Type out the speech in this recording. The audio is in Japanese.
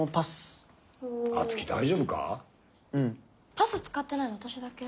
パス使ってないの私だけ？